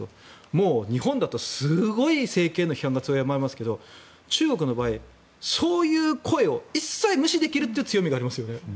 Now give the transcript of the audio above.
もう日本だったら、すごい政権への批判が強まりますけど中国の場合、そういう声を一切無視できるという強みがありますよね。